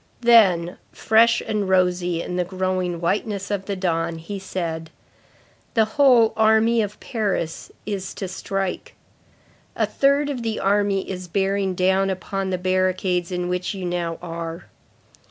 Then, fresh and rosy in the growing whiteness of the dawn, he said: "The whole army of Paris is to strike. A third of the army is bearing down upon the barricades in which you now are.